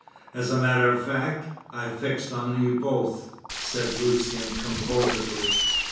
"As a matter of fact, I fixed on you both," said Lucian composedly.